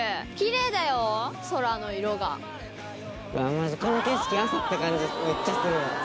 マジこの景色朝って感じめっちゃする。